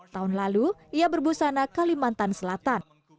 tahun lalu ia berbusana kalimantan selatan